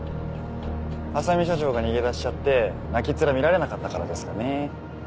浅海社長が逃げ出しちゃって泣きっ面見られなかったからですかねぇ。